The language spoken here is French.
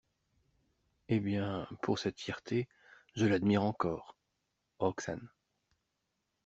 Eh bien, pour cette fierté, je l'admire encore ! ROXANE.